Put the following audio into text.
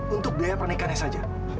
untuk biaya pernikahannya saja